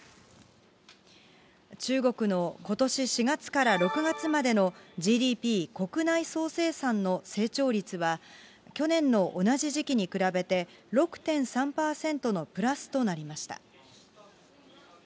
中国のことし４月から６月までのＧＤＰ・国内総生産の成長率は、去年の同じ時期に比べて６．３％のプラスとなりました。